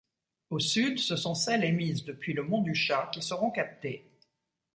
Au sud, ce sont celles émises depuis le mont du Chat qui seront captées.